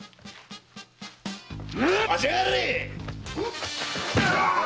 待ちやがれ！